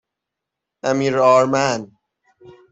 امیرآرمن